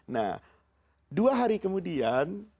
nah dua hari kemudian